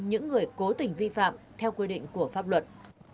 những người cố tình vi phạm theo quy định của pháp luật